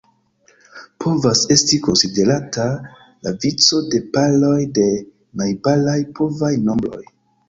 Povas esti konsiderata la vico de paroj de najbaraj povaj nombroj.